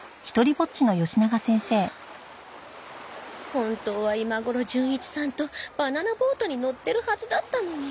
本当は今頃純一さんとバナナボートに乗ってるはずだったのに。